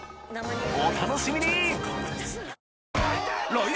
お楽しみに！